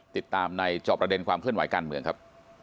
ติดตามในจอบประเด็นความเคลื่อนไหวการเมืองครับ